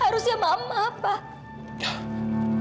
harusnya mama pak